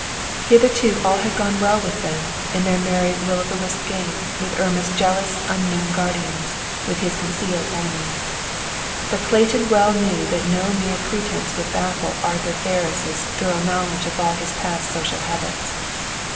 Hitherto all had gone well with them, in their merry will o' the wisp game with Irma's jealous unknown guardians, with his concealed enemies. But Clayton well knew that no mere pretense would baffle Arthur Ferris' thorough knowledge of all of his past social habits.